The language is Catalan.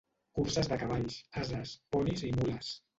Curses de cavalls, ases, ponis i mules.